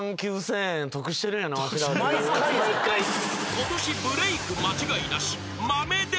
［ことしブレーク間違いなし］